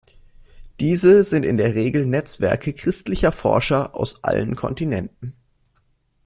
Diese sind in der Regel Netzwerke christlicher Forscher aus allen Kontinenten.